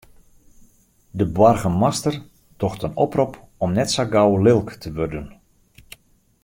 De boargemaster docht in oprop om net sa gau lilk te wurden.